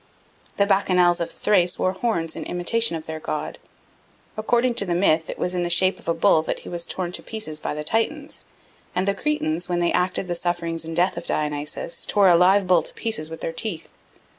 The Bacchanals of Thrace wore horns in imitation of their god. According to the myth, it was in the shape of a bull that he was torn to pieces by the Titans; and the Cretans, when they acted the sufferings and death of Dionysus, tore a live bull to pieces with their teeth.